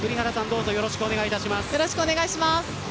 よろしくお願いします。